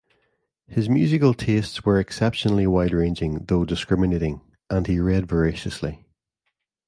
His musical tastes were exceptionally wide-ranging, though discriminating, and he read voraciously.